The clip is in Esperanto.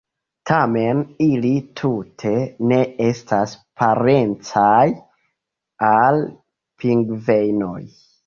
Tamen ili tute ne estas parencaj al pingvenoj.